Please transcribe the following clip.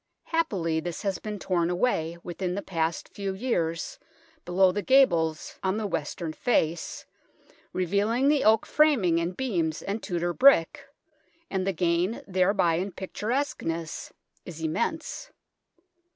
Happily this has been torn away, within the past few years, below the gables on the western face, revealing the oak framing and beams and Tudor brick, and the gain thereby in pictur esqueness is immense.